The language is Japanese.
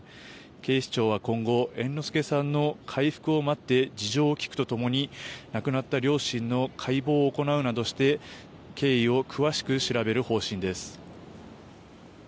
警視庁は今後猿之助さんの回復を待って事情を聴くと共に亡くなった両親の解剖を行うなどして経緯を詳しく調べる方針です。